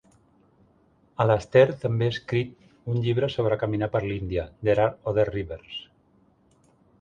Alastair també ha escrit un llibre sobre caminar per l'Índia: "There Are Other Rivers".